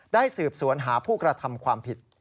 สืบสวนหาผู้กระทำความผิด